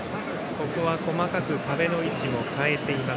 ここは細かく壁の位置も変えています。